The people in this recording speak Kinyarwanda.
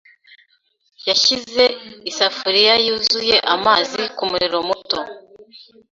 yashyize isafuriya yuzuye amazi kumuriro muto.